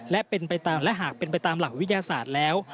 และหากเป็นไปตามหลักวิทยาศาสตร์แล้ว